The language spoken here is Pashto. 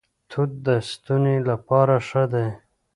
توت د ستوني لپاره ښه دي.